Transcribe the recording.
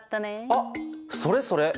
あっそれそれ。